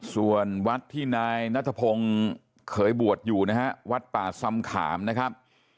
ส่วนวัดที่นายนัทพงศ์เคยบวชอยู่นะฮะวัดป่าซำขามนะครับ